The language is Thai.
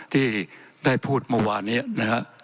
ที่ได้พูดเมื่อวานนี้นะฮะ